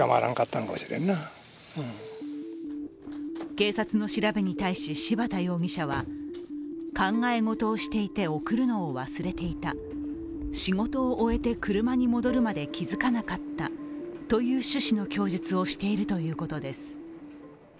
警察の調べに対し柴田容疑者は考え事をしていて送るのを忘れていた、仕事を終えて車に戻るまで気付かなかったという主旨の供述をしているということです。